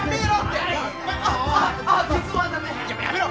やめろ！！